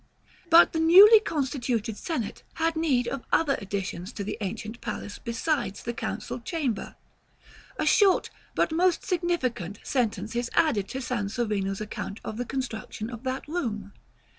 § XV. But the newly constituted Senate had need of other additions to the ancient palace besides the Council Chamber. A short, but most significant, sentence is added to Sansovino's account of the construction of that room.